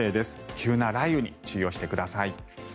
急な雷雨に注意してください。